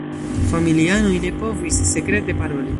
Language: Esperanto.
Familianoj ne povis sekrete paroli.